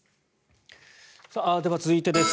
では、続いてです。